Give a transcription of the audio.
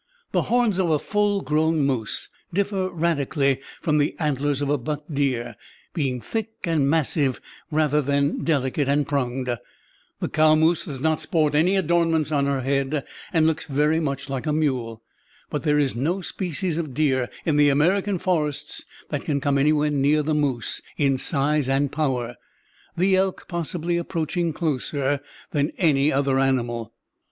The horns of a full grown moose differ radically from the antlers of a buck deer, being thick and massive rather than delicate and pronged. The cow moose does not sport any adornments on her head, and looks very much like a mule. But there is no species of deer in the American forests that can come anywhere near the moose in size and power, the elk possibly approaching closer than any other animal.